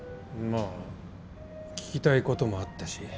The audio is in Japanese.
まあ聞きたいこともあったし。